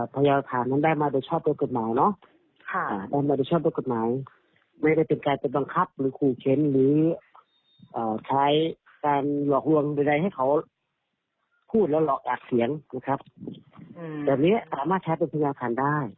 พูดแล้วหลอกอักเสียงแบบนี้สามารถใช้เป็นพยานฐานได้